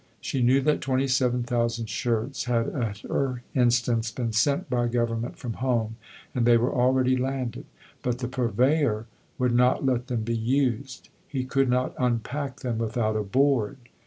She knew that 27,000 shirts had at her instance been sent by Government from home, and they were already landed. But the Purveyor would not let them be used; "he could not unpack them without a Board."